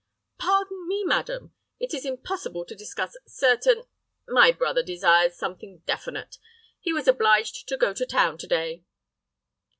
"Pardon me, madam, it is impossible to discuss certain—" "My brother desires something definite. He was obliged to go to town to day."